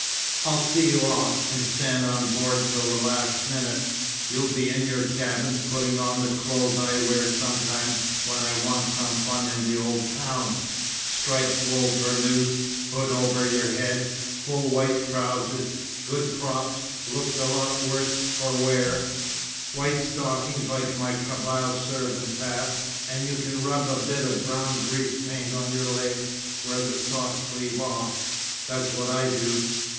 I'll see you off, and stop on board till the last minute. You'll be in your cabin, putting on the clothes I wear sometimes when I want some fun in the old town striped wool burnous, hood over your head, full white trousers good 'props,' look a lot the worse for wear white stockings like my Kabyle servants have; and you can rub a bit of brown grease paint on your legs where the socks leave off. That's what I do.